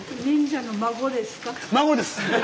「孫です」。